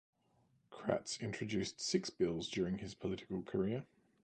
Kratz introduced six bills during his political career.